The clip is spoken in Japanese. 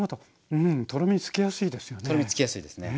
うんとろみつきやすいですよね。